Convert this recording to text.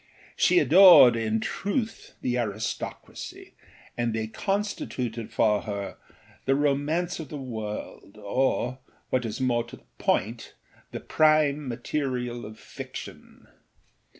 She adored, in truth, the aristocracy, and they constituted for her the romance of the world or, what is more to the point, the prime material of fiction.